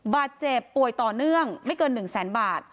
บาดเจ็บป่วยต่อเนื่องไม่เกิน๑แสนบาท